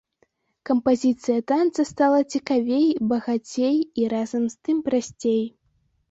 Кампазіцыя танца стала цікавей, багацей і разам з тым прасцей.